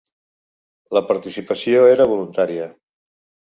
La participació era voluntària.